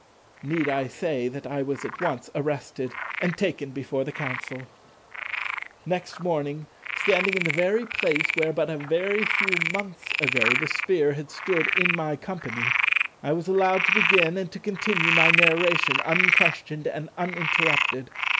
Need I say that I was at once arrested and taken before the Council? Next morning, standing in the very place where but a very few months ago the Sphere had stood in my company, I was allowed to begin and to continue my narration unquestioned and uninterrupted.